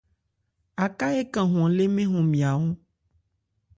Aká ékan hwan lê mɛ́n hɔnmya.